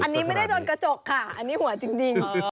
อันนี้ไม่ได้โดนกระจกค่ะอันนี้หัวจริง